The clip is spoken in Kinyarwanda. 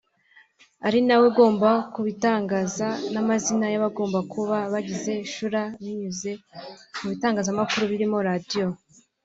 ari nawe ugomba kubitangaza n’amazina y’abagomba kuba bagize Shura binyuze mu bitangazamakuru birimo radio